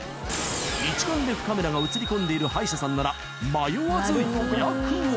［一眼レフカメラが写り込んでいる歯医者さんなら迷わず予約を］